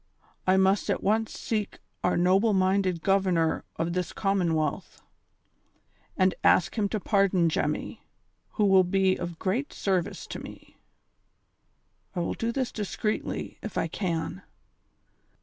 I must at once seek our noble minded Governor of this Commonwealth, and ask him to pardon Jemmy, who will be of great service to me. I will do this secretly, if I can.